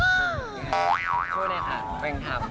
ช่วยด้วยค่ะแกว่งเท้า